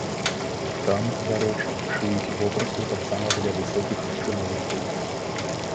Там, дарэчы, шыюць вопратку таксама для высокіх чыноўнікаў.